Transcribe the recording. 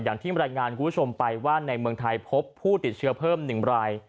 อย่างที่บรรยายงานคุณผู้ชมไปว่าในเมืองไทยพบผู้ติดเชื้อเพิ่ม๑ราย